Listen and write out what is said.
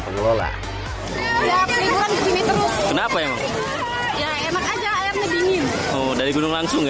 pengelola ya peringkat gini terus kenapa ya emang ya emang aja airnya dingin udah di gunung langsung ya